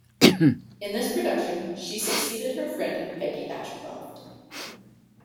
In this production, she succeeded her friend Peggy Ashcroft.